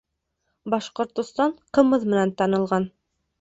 Башкортостан ҡымыҙ менән танылған